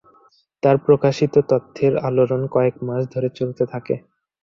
তার প্রকাশিত তথ্যের আলোড়ন কয়েক মাস ধরে চলতে থাকে।